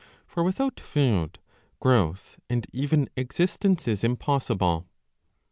^ For without food growth and even existence is impossible.